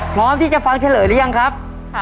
พร้อมที่จะฟังเฉลยหรือยังครับ